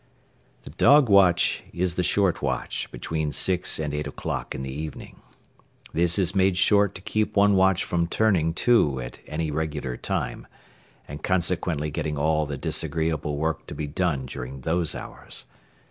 The dog watch is the short watch between six and eight o'clock in the evening. This is made short to keep one watch from turning to at any regular time and consequently getting all the disagreeable work to be done during those hours.